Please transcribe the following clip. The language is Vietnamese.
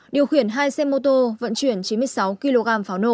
điều khiển hai xe mô tô vận chuyển chín mươi sáu kg pháo nổ